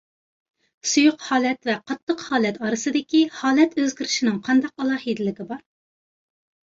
سۇيۇق ھالەت ۋە قاتتىق ھالەت ئارىسىدىكى ھالەت ئۆزگىرىشىنىڭ قانداق ئالاھىدىلىكى بار؟